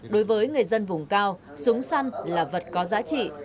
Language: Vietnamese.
đối với người dân vùng cao súng săn là vật có giá trị